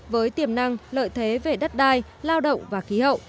với tiềm năng lợi thế về đất đai lao động và khí hậu